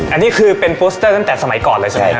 อันนี้คือเป็นโปสเตอร์ตั้งแต่สมัยก่อนเลยใช่ไหมครับ